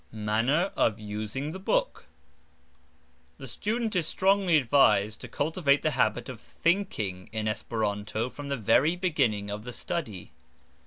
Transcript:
MANNER OF USING THE BOOK. The student is strongly advised to cultivate the habit of thinking in Esperanto from the very beginning of the study.